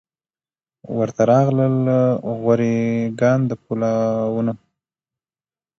ورته راغلل غوري ګان د پولاوونو